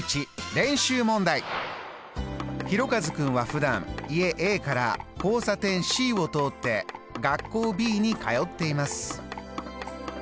ひろかず君はふだん家Ａから交差点Ｃを通って学校Ｂに通っています。